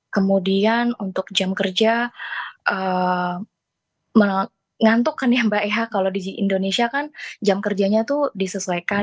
kemudian untuk jam kerja mengantukkan ya mbak eha kalau di indonesia kan jam kerjanya tuh disesuaikan